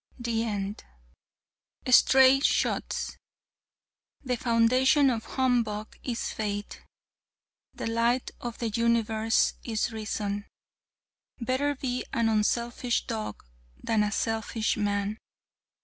'" (THE END.) STRAY SHOTS The foundation of humbug is faith. The light of the universe is reason. Better be an unselfish dog than a selfish man.